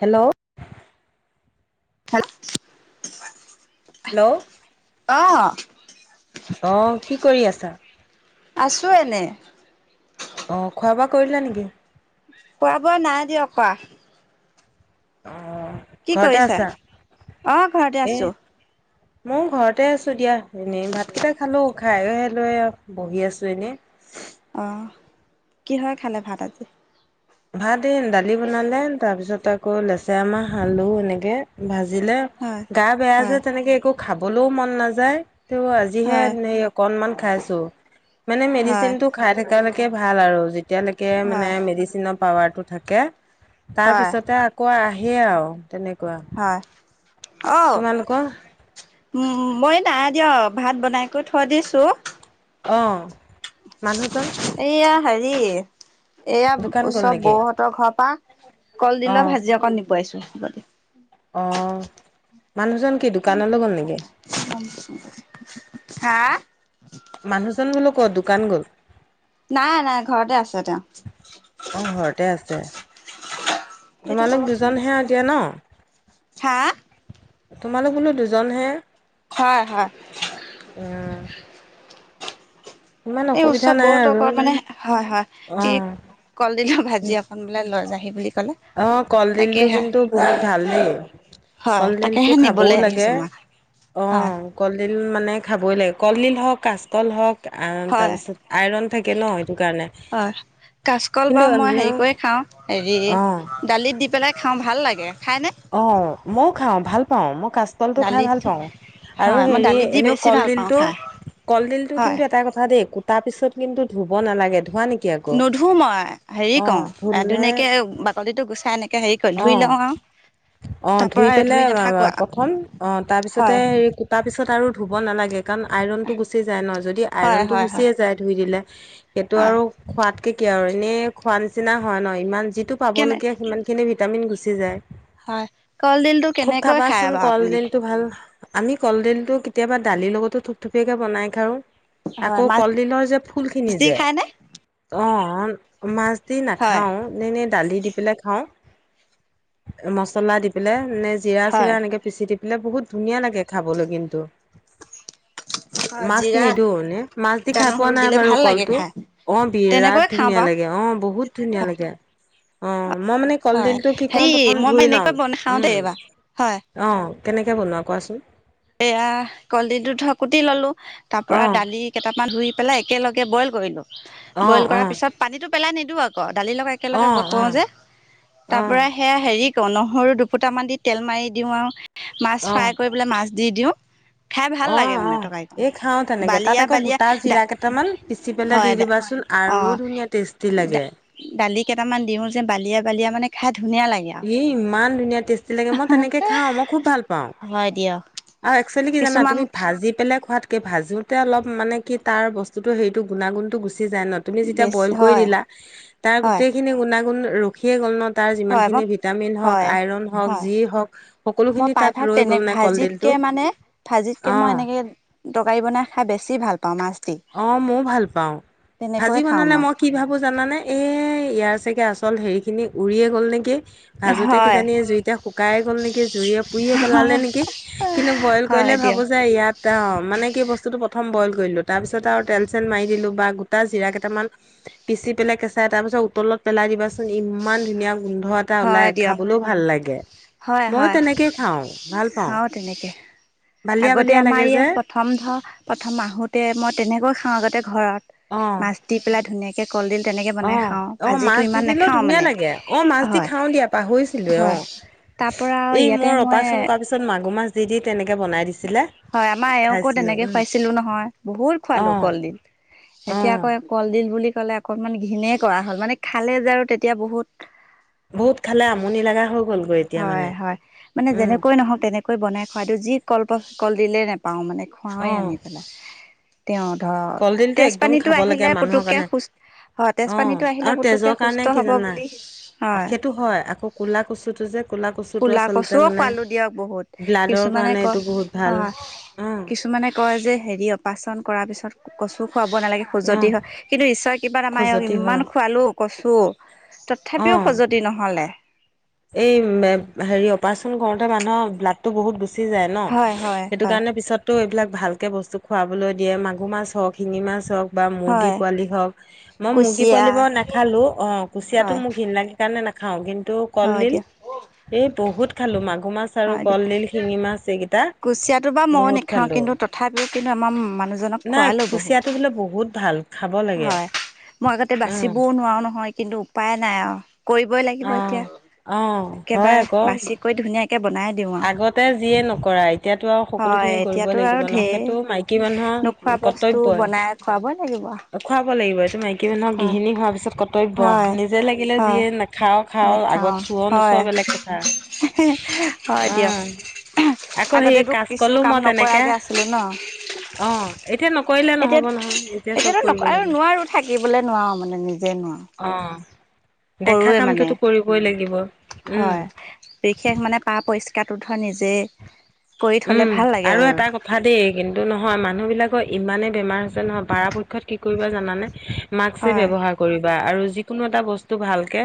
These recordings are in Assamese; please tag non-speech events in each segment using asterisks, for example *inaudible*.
হেল্ল' হেল হেল্ল' অঁ অ কি কৰি আছা আছোঁ এনে অঁ খোৱা বোৱা কৰিলা নেকি খোৱা বোৱা নাই দিয়ক কৰা অ কি ঘৰতে কৰিছা আছা অ ঘৰতে এ আছো ময়ো ঘৰতে আছো দিয়া এনেই ভাত কেইটা খালো খাইলৈ বহি আছো এনে অ কিহয় খালে ভাত আজি ভাত এ দালি বনালে তাৰ পিছত আকৌ লেচেৰা মাহ আলু এনেকে ভাজি ভাজিলে হয় গা বেয়া যে হয় তেনেকে একো খাবলৈও মন নাযায় ত আজিহে হয় সে অকনমান খাইছো মানে মেডিচিন হয় টো খাই থকা লকে কে ভাল আৰু যেতিয়ালৈকে মানে হয় মেডিচিনৰ পাৱাৰটো থাকে হয় তাৰপিছতে আকৌ আহে আৰু তেনেকুৱা হয় তোমালোকৰ উম মই নাই দিয় ভাত বনাই কৈ থৈ দিছো অঁ মানুহজন এয়া দোকান গ'ল ওচৰ নেকি বৌহঁতৰ ঘৰৰ পৰা অ কলডিলৰ ভাজি অকণ নিব আহিছো অ মানুহজন কি দোকানলৈ গ'ল নেকি হা মানুহজন বোলো ক দোকান গ'ল নাই নাই ঘৰতে আছে তেওঁ অঁ ঘৰতে আছে এইটো তোমালোক কলত ফোন দুজনহে কৰিছে আৰু যে এতিয়া হা ন তোমালোক বোলো দুজনহে হয় হয় উম ইমান এই অসুবিধা ওচৰৰ নাই বৌহঁতৰ আৰু ঘৰত মানে হয় হয় অ ই কলডিলৰ ভাজি অকন বোলে লৈ যাহি বুলি ক'লে অ কলডিলটো তাকেহে কিন্তু বহুত ভাল দেই। হয় কলডিল টো তাকেহে খাবও নিবলৈ লাগে, আহিছো মই অ, হয় কলডিল মানে খাবই লাগে। কলডিল হওঁক কাচকল হওক আ হয় তাৰপিছত আইৰণ থাকে ন সেইটো কাৰণে। হয় কাচকল বা কিন্তু মই এনেও হেৰি কৰি খাওঁ অ', হেৰি দালিত দি পেলাই খাওঁ ভাল লাগে। খাইনে অ ময়ো খাওঁ ভাল পাওঁ মই কাচলটো খাই দালিত ভাল দি পাওঁ আৰু হয় মই হেৰি দালিত দি এনেও বেছি ভাল পাওঁ কলডিলটো খাই কলডিল টো হয় কিন্তু এটা কথা দেই কুটা পিছত কিন্তু ধুব নালাগে। ধোৱা নেকি আকৌ? নধো মই হেৰি ক অ', ধুলে ধুনীয়াকে বাকলিতো গুচাই এনে হেৰি কৰি ধুই অ', লওঁ আও। অ ধুই পেলাই প্ৰথম অ তাৰ পিছতে হয় হেৰি কুটা পিছত আৰু ধুব নালাগে কাৰণ আইৰণটো গুচি যায় ন যদি হয় আইৰণটো হয় হয় গুচিয়ে যায় ধুই দিলে সেইটো হয় আৰু খোৱাতকে কি আৰু এনেই খোৱা নিচিনা হয় ন ইমান যিটো পাব কেনে লগীয়া সিমান নে ভিটামিন গুচি যায়। হয় কলডিলটো খুব কেনেকৈ খায় খাবাচোন বাৰু আপুনি কলডিলটো ভাল, আমি কলডিলটো কেতিয়াবা দালিৰ লগতো থুপথুপীয়াকে বনাই খাওঁ। হয় আকৌ মাছ কলডিলৰ যে ফুল খিনি দি যে খায়নে আহ মাছ হয় নাখাওঁ এনেই দালি দি পেলাই খাওঁ মছলা দি পেলাই। নে জিৰা হয় চিৰা এনেকে পিচি দি পেলাই বহুত ধুনীয়া লাগে খাবলৈ কিন্তু। হয় মাছ জিৰা নিদি এনে, মাছ দি আদা খাই পোৱা নহৰু নাই দিলে বাৰু ভাল লাগে কলটো। খাই অ তেনেকৈ বিৰাট খাওঁ ধুনীয়া বাৰু লাগে, অ বহুত ধুনীয়া হয় লাগে, অ মই মানে হয় কলডিলটো কি কম হেৰি প্ৰথম মই মানে ঘুই এনেকৈ লওঁ বনাই খাওঁ দেই উম, এইবাৰ হয় অ। কেনেকে বনোৱা কোৱাচোন? এয়া কলডি দু ধ কুটি ললো তাৰ অ পৰা দালি কেইটামান ধুই পেলাই একেলগে বইল কৰিলোঁ, অ বইল অ কৰাৰ পিছত পানীটো পেলাই নিদিওঁ আকৌ দালি লগত অ', একেলগে ব কৰোঁ অ', যে তাৰ অ', পৰা সেয়া হেৰি নহৰু দুপুটামান দি তেল মাৰি দিও আৰু মাছ ফ্ৰাই অ', কৰিবলৈ মাছ দি দিওঁ। খাই ভাল লাগে অ', মানে অ', তৰকাৰী খন, এই খাওঁ তেনেকে তাত বালিয়া আকৌ বালিয়া গোটা দা জিৰা কেইটামান পিচি পেলাই দি হয় দা দিবাচোন অ, আৰু ধুনীয়া টেষ্টি দা লাগে। দালি কেইটামান দিওঁ যে বালিয়া বালিয়া মানে খাই ধুনীয়া লাগে এ ইমান ধুনীয়া টেষ্টি লাগে মই আৰু তেনেকে খাওঁ মই খুব ভাল পাওঁ। হয় দিয়ক আৰু এক্চুৱেলি কি জানা কিছুমান তুমি ভাজি পেলাই খোৱাতকে ভাজোতে অলপ মানে কি তাৰ বস্তুতটো হেৰিটো গুণাগুণত গুচি যাই ন তুমি যেতিয়া বেছি বৈল কৰি হয় দিলা তাৰ হয় গোটেইখিনি গুণাগুণ ৰখিয়ে গ'ল ন তাৰ যিমান হয় মই খিনি ভিটামিন হওঁক হয় আইৰণ হওক হয় যি হওঁক মই সকলোখিনি প্ৰায়ভাগ তাত ৰৈ তেনে গ'ল নাই ভাজিতকে কলডিলটো। মানে ভাজিতকে মই অ', এনেকে তৰকাৰী বনাই খাই বেছি ভাল পাওঁ মাছ দি অ ময়ো ভাল পাওঁ, ভাজি তেনেকৈয়ে খাওঁ বনালে মই কি ভাবো জানানে এ ইয়াৰ চাকে আচল হেৰিখিনি উৰিয়ে গ'ল নেকি। ভাজোতে হয় কিজানি জুইতে শুকাই গল নেকি জুইে পুৰিয়ে পেলালে নেকি, কিন্তু বইল হয় কৰিলে ভাবো দিয়ক যে ইয়াত অ মানে কি বস্তুতটো প্ৰথম বইল কৰিলো তাৰ পিছত আৰু তেল চেল মাৰি দিলো বা গোটা জিৰা কেইটামান পিচি পেলাই কেঁচাই তাৰ পিছত উতলত পেলাই দিবাচোন ইমান ধুনীয়া গোন্ধ এটা হয় ওলাই দিয়ক খাবলৈও ভাল লাগে। হয় মইও হয় তেনেকেই খাওঁ, ভাল পাওঁ। খাওঁ তেনেকে বালিয়া আগতে বালিয়া লাগে আমাৰ যে ইয়াৰ প্ৰথম ধৰ প্ৰথম আহোতে মই তেনেকৈ খাও আগতে ঘৰত। মাছ দি পেলাই ধুনীয়াকে ক অ-অ মাছ দি দিলেও নেখাওঁ ধুনীয়া মানে লাগে, অ মাছ হয় খাওঁ দিয়া পাহৰিচিলোয়ে অ, হয় তাৰ পৰা আৰু এই ইয়াতে মোৰ মই অপাৰেচন কৰাৰ পিছত মা মাগুৰ মাছ দি তেনেক বনাই দিছিল। হয় আমাৰ এওঁকো তেনেকে খুৱাইছিলো নহয় বহুত খোৱালো অ', কলদিল। এতিয়া অ', কয় কলডিল বুলি ক'লে অকনমান ঘিণেই কৰা হ'ল মানে খালে যে আৰু তেতিয়া বহুত *inaudible* খালে আমনি লগা হৈ গ'লগৈ এতিয়া হয় মানে হয়, মানে উম, যেনেকৈ নহওক তেনেকৈ বনাই খোৱা টো যি কল্প কলডিলে নেপাও মানে খুৱাওৱে অ', আনি পেলাই। তেওঁ ধৰক কলডিলটো একদম তেজপানীটো খাব লাগে আহিলে মানুহৰ পুতুককে কাৰণে খোজ হয়, অ', তেজপানীটো আহিলে আৰু পুতুককে তেজৰ সুস্থ কাৰণে কি হ'ব জানা বুলি, অ', হয়। সেইটো হয় আকৌ ক'লা কচুটো যে ক'লা কচুটো ক'লা আচলতে কচুও মানে খোৱালো দিয়ক বহুত, ব্লাডৰ কিছুমানে কাৰণে ক এইটো বহুত ভাল হয়, অ', কিছুমানে কয় যে হেৰি অপাৰেচন কৰাৰ পিছত কচু খোৱাব নালাগে খুজতি অ', হয় কিন্তু ঈশ্বৰৰ কৃপাত আমাৰ এওঁক খজুৱতি হয় ইমান খোৱালোঁ কচু। তথাপিও অ'। খজতি নহ'লে। এই হেৰি অপাৰেচন কৰোঁতে মানুহৰ ব্লাডটো বহুত গু চি যায় হয় ন' হয় সেইটো হয় কাৰণে পিছত টো এইবিলাক ভালকে বস্তু খুৱাবলৈ দিয়ে মাগুৰ মাছ হওঁক, শিঙি মাছ হওঁক। বা মুৰ্গী হয় পোৱালি হওঁক, মই মুৰ্গী কুচিয়া পোৱালি বাৰু নাখালো অ', কুচিয়াটো হয় মোক ঘিণ লাগে কাৰণে নাখ খাওঁ কিন্তু হয় কলডিল, দিয়া এই বহুত খালোঁ মাক হয় দিয়া, কুচিয়াটো বা ময়ো বহুত নেখাও খালো। কিন্তু তথাপিও কিন্তু আমাৰ মান নাই কুচিয়াটো বোলে বহুত ভাল, খাব লাগে। হয় মই আগতে উম বাচিবও নোৱাৰো নহয় কিন্তু উপায় নাই আও। কৰিবই লাগিব অ। এতিয়া, অ হয় একেবাৰে আকৌ বাচি কৰি ধুনীয়া আগতে যিয়ে নকৰা এতিয়াটো আৰু হয় সকলোখিনি কৰিবই এতিয়াতো আৰু লাগিব ন' ঢেৰ সেইটো মাইকী নোখোৱা মানুহৰ বস্তু কৰ্তব্যই, বনাই খুৱাবই লাগিব খুৱাব লাগিব, এইটো মাইকী মানুহক হয় গৃহিণী হোৱাৰ পিছত ৰ্তব্য হয় নিজে লাগিলে হয় যিয়ে নাখাওঁ, খাওঁ আগত চুৱ নোচোৱ বেলেগ কথা সে হ হয় অ দিয়ক, আকৌ সেই আগতেটো কাজ কিছু কলো কাম মই তেনেকে নকৰাকে আছিলো ন'। অ', এতিয়া নক এতিয়াত এতিয়াটো নক আৰু নোৱাৰোঁ থাকিবলে নোৱাৰোঁ মানে নিজে নোৱাৰোঁ। অ'। দেখা কৰোৱে মানে কামটোতো কৰিবই লাগিব উম হয়, বিশেষ মানে পাপ হৈছ কাটো ধৰ নিজে কৰি থলে উম, ভাল লাগে আৰু এটা কথা দেই কিন্তু নহয় মান মানুহবিলাকৰ ইমানে বেমাৰ হৈছে নহয় পৰাাৰপক্ষত কি কৰিবা জানানে মাস্কে হয় ব্যৱহাৰ কৰিবা। আৰু যিকোনো এটা বস্তু ভালকে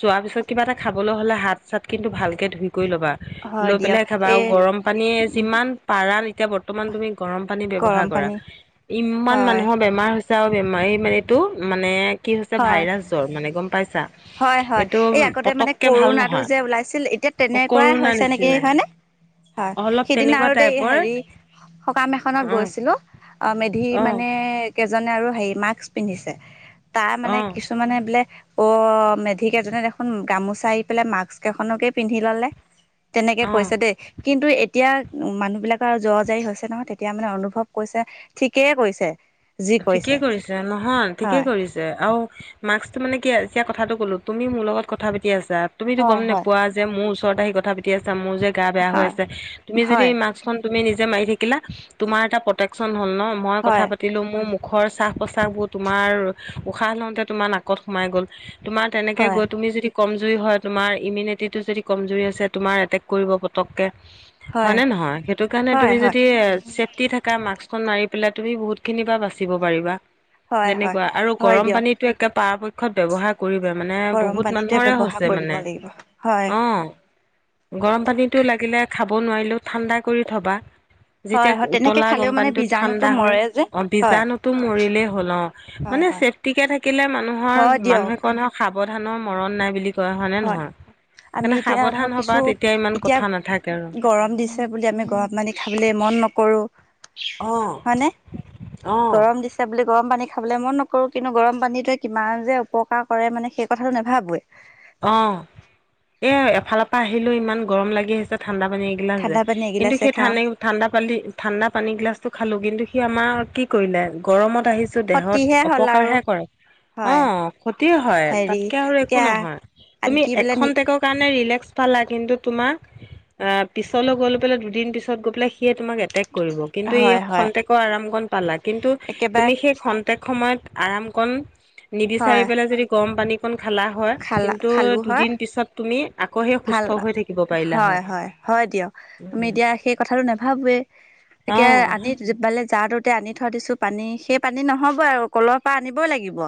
চোৱাৰ পিছত কিবা এটা খাবলৈ হ'লে হাত চাত কিন্তু ভালকে ধুই কৰি ল'বা, হয় লৈ দিয়ক পেলাইহে খাবা আৰু এই গৰম পানীয়ে যিমান পাৰা এতিয়া বৰ্তমান তুমি গৰম পানী ব্যৱহাৰ গৰম কৰা পানী ইমান হয় মানুহৰ বেমাৰ হৈছিল ছে আও বেমাৰী মাৰীটো মানে কি হৈছে হয় ভাইৰাছ জ্বৰ মানে গম পাইছা হয় হয় এইটো এই আগতে মানে পতককে ভাল কৰোণাটো নহয়। যে ওলাইছিল এতিয়া অ', কৰোণা নিচিনাই। সেইদিনা আৰু দেই হেৰি সকাম এখনত অ গৈছিলোঁ অ', মেধি অ', মানে কেইজনে আৰু হেৰি মাস্ক পিন্ধিছে তাৰ মানে অ', কিছুমানে বোলে অ', মেধি কেইজনে দেখোন গামোচা আহি পেলাই মাস্ক এখনকে পিন্ধি ল'লে। তেনেকে অ', কৈছে দেই কিন্তু এতিয়া উম, মানুহবিলাকৰ আৰু জ্বৰ জাৰী হৈছে নহয় তেতিয়া মানে অনুভৱ কৈছে, ঠিকেই কৈছে। যি ঠিকে কৈছে কৰিছে, নহয় ঠিকে হয় কৰিছে। আৰু মাক্সটো মানে কি এতিয়া কথাটো ক'লো তুমি মোৰ লগত কথা পাতি আছ ছা তুমিতো হয় গম হয় নপোৱা যে মোৰ ওচৰত আহি কথা পাতি আছ ছা মোৰ যে গা বেয়া হৈ হয় আছে, তুমি যদি হয় মাক্সখন নিজে মাৰি থাকিলা, তোমাৰ এটা প্ৰটেকচন হ'ল নহ, মই কথা হয় পাতিলোম মোৰ মুখৰ শ্বাস-প্ৰশ্বাসবোৰ তোমাৰ উশাহ লওঁতে তোমাৰ নাকত সোমাই গ'ল। তোমাৰ তেনেকে হয় গৈ তুমি যদি কমজুৰি হয় তোমাৰ ইমিউনিটিটো যদি কমজুৰি আছে তোমাৰ এটেক কৰিব পতককে। হয় নে নহয় সেইটো কাৰণে হয় তুমি যদি চেন্টি থাকা মাক্স খন মাৰি পেলাই তুমি বহুত খিনি বা বাচিব পাৰিবা হয় হয় যেনেকুৱা আৰু হয় গৰম দিয়ক পানীটো একে পাৰপক্ষত ব্যৱহাৰ কৰিবে, মানে গৰম বহুত পানীটোৱে মানুহৰে ব্যৱহাৰ হৈছে কৰিব মানে লাগিব হয় অ'। গৰম পানীতো লাগিলে খাব নোৱাৰিলেও ঠাণ্ডা কৰি থ'বা। হয় যেতিয়া হয় তেনেকে উতলা গম খালেও মানে পানীটোত বীজাণুটো ঠাণ্ডা হৈ মৰে যে গম হয় বীজাণুতো মৰিলেই হ'ল অ', হয় মানে হয় চেফটিকে থাকিলে মানুহৰ, হয় দিয়ক মানুহে কয় নহয় খাব বধানৰ মৰণ নাই বুলি কয়, হয় নে নহয়? আমি সেইকাৰণে এতিয়া সাৱধান ধৰ হবা কিছু, তেতিয়া ইমান এতিয়া কথা নাথাকে আৰু গৰম দিছে বুলি আমি গৰম পানি খাবলৈ ম নকৰোঁ। হয়নে অ'। গৰম দিছো বুলি গৰম পানী খাবলৈ মন নকৰোঁ কিন্তু গৰম পানীটোৱে কিমান যে উপকাৰ কৰে মানে সেই কথাটো নাভাবোৱে। অ' এ এফালপা আহিলো ইমান গৰম লাগি আহিছে ঠা ঠাণ্ডাপানী এগিলাচ দে ঠাণ্ডা পানী কিন্তু এগিলাচে সেই খাওঁ ঠানে-ঠাণ্ডা পালী, ঠাণ্ডা পানি গিলাচটো খালো কিন্তু সি আমাৰ কি কৰিলে গৰমত আহিছো দেহত ক্ষতিহে হ'ল আৰু অপকাৰহে কৰে। হয় অ' ক্ষতি হয়, হেৰি তাতকে আৰু একো এতিয়া নহয়। তুমি আনকি বোলে নি এখনটেক কাৰণে ৰিলেক্স পালা কিন্তু তোমাক আ পিছলৈ গৈলৈ পেলাই দুদিন পিছত গৈ পেলাই সিয়ে তোমাক এটেক কৰিব, কিন্তু ই হয় হয় খন্তেকৰ আৰাম কণ পালা। কিন্তু‌ একেবাৰে তুমি সেই খন্তেক সময়ত আৰাম কণ নিবিচাৰি হয় পেলাই যদি গৰম পানী কন খালা হয়। খালা কিন্তু খালো হয় দুদিন পিছত তুমি আকৌ সেই ভাল সুস্থ হৈ থাকিব পাৰিলা হয়। আমি এতিয়া সেই কথাটো নাভাবোৱে এতিয়া অ', আনি পালে জাটোত তে আনি থৈ দিছোঁ পানী, সেই পানী নহ'ব আৰু কলৰ পা আনিব লাগিব।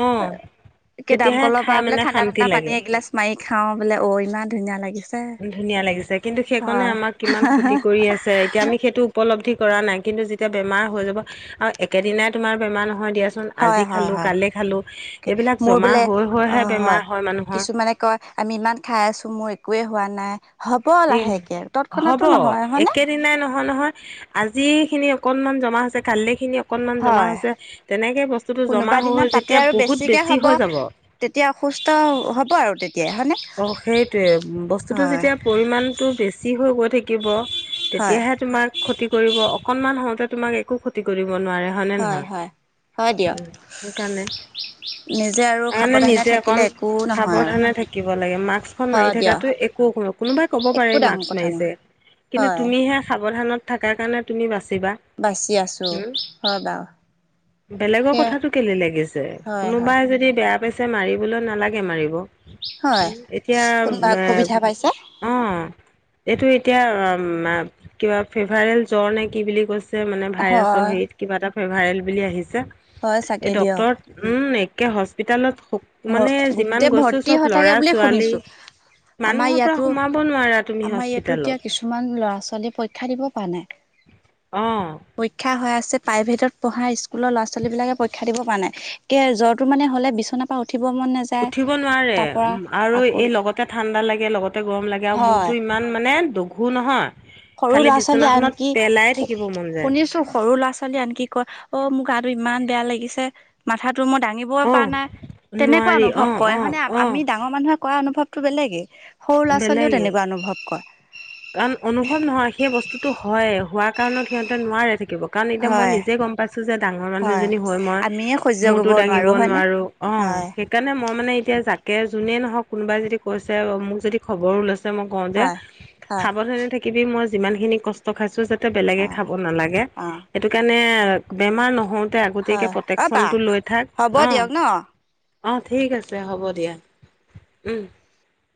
অ', একে তেতিয়াহে দামকল বা খাই বোলে মানে ঠাণ্ডা শান্তি ঠাণ্ডা পানী লাগে। এগিলাছ মাৰি খাওঁ বোলে অ' ইমান ধুনীয়া লাগিছ ধুনীয়া লাগিছে কিন্তু সেইকণে আমাক কিমান ক্ষতি কৰি আছে এতিয়া আমি সেইটো উপলব্ধি কৰা নাই কিন্তু যেতিয়া বেমাৰ হৈ যাব *unintelligible* একেদিনাই তোমাৰ বেমাৰ নহয় দিয়াচোন হয় আজি হয় খালো হয় কালি খালো এইবিলাক মোৰ জমা বোলে হৈ অ হৈহে *unintelligible* হয়, মানুহৰ কিছুমানে কয় আমি ইমান খাই আছো মোৰ একোৱে হোৱা নাই। হ'ব এই, লাহেকে তৎক্ষণাতো হ'ব নহয় হয়নে? একেদিনাই নহয় নহয়। আজিখিনি অকণমান জমা হৈছে কাললৈখিনি অ কনমান জমা হয়। হৈছে। তেনেকে বস্তুটো জমা কোনোবা হৈ দিনা হৈ তাতে যেতিয়া আৰু বহুত বেছিকে বেছি হ'ব হৈ যাব। তেতিয়া অসুস্থ হ'ব আৰু তেত অ' সেইটোৱে বস্তুটো হয় যেতিয়া পৰিমাণটো বেছি হৈ গৈ থাকিব তেতিয়া হয় হে তোমাক ক্ষতি কৰিব। অকনমান হওঁতে তোমাক একো ক্ষতি কৰি নোৱৰে হয়নে হয় নহয়? হয় হয় উ দিয়ক। সেইকাৰণে। নিজে আৰু আগলে সাৱধানে নিজে অকণ থাকিলে একো নহয় আৰু সাৱধানে থাকিব। *unintelligible* মাক্সখন মাৰি হয় দিয়ক থাকাটোৱে একো কোনো, কোনোবাই কব পাৰে একো এই ডাঙৰ মাক্স কথা মাৰিছে। নহয় কিন্তু, হয়। তুমিহে সাৱধানত থাকাৰ কাৰণে তুমি বাচ বাচি আছো, হয় বাৰু। বেলেগৰ সেয়া কথাটো কেলে লাগিছে, হয় হয় কোনোবাই যদি বেয়া পাইছে মাৰিবলৈ, নালাগে মাৰিব। উ হয় এতিয়া কোনোবা অসুবিধা পাইছে অ'। এইটো এতিয়া মা-কিবা ফিভাৰেল জ্বৰ নে কি বুলি কৈছ ছে মানে ভাইৰাছৰ হয় হেইত কিবা এটা ফেভায়েল বুলি আহিছে। হয় এই চাগে দিয়ক ডক্তৰ উম এ তিয়া হস্পিটেলত ভ-গোটেই ভৰ্তি হৈ থাকে বুলি ছোৱালী শুনিছোঁ। আমাৰ মানুহৰ পৰা ইয়াতো, সোমাব নোৱাৰা তুমি আমাৰ ইয়াতো এতিয়া হস্পিতালত কিছুমান ল'ৰা-ছোৱালীয়ে পৰীক্ষা দিব পা নাই। অ'। হয় আছে প্ৰাইভেটত পঢ়া স্কুলৰ ল'ৰা ছোৱালী বিলাকে পৰীক্ষা দিব পৰা নাই, কে জ্বৰটো মানে হ'লে বিচনা উঠিব নোৱাৰে উ আৰু আকৌ এই লগতে ঠাণ্ডা লাগে লগত তে গৰম লাগে আৰু হয় মোৰটো ইমান মানে দঘূ নহয়। সৰু খালি ল'ৰা-ছোৱালী বিচনাখনত আনকি পেলাই থাকিব মন যায় শুনিছো সৰু ল'ৰা-ছোৱালী আনকি কয় অ' মোক গাটো ইমান বেয়া লাগিছে। মাথাত টো মই দাঙিবই পৰা অ', নাই তেনেকুৱা নোৱাৰি অনুভৱ অ', কয় অ', হয়নে? অ', আমি ডাঙৰ মানুহে কৰা অনুভৱটো বেলেগে। সৰু ল'ৰা-ছোৱালীয়েও বেলেগে তেনেকুৱা অনুভৱ কৰে। প্ৰথম নহয় সেই বস্তুটো হয় হোৱা কাৰণত সিহঁতে নোৱাৰে থাকিব, কাৰণ এতিয়া মই হয় নিজে গম পাইছো। যে ডাঙৰ মানুহজনী হয় মই আমিয়ে সহ্য মোৰতো কৰিব দাঙিব হয়নে নোৱাৰো অ হয় সেইকাৰণে মই মানে তেতিয়া জাকে যোনে নহওক কোনোবাই যদি কৈছে মোক যদি খবৰো লৈছে মই কওঁ যে হয় হয় সাৱধানে থাকিবি মই যিমান খিনি কষ্ট খাইছো বেলেগে হয় খাব নালাগে অ সেইটো কাৰণে বেমাৰ নহওঁ। আগতীয়াকৈ হয় অ বা প্ৰটেকশ্যনটো লৈ থাক হ'ব অ দিয়ক ন অ ঠিক আছে হ'ব দিয়া।